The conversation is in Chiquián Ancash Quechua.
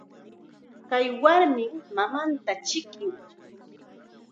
Kay warmim nananta chikin.